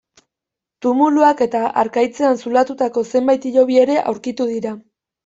Tumuluak eta harkaitzean zulatutako zenbait hilobi ere aurkitu dira.